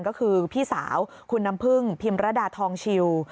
ก็คือพี่สาวคุณน้ำพึ่งพิมรดาทองชิว